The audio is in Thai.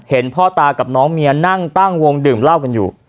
พ่อตากับน้องเมียนั่งตั้งวงดื่มเหล้ากันอยู่